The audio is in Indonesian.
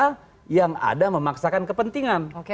ada yang memaksakan kepentingan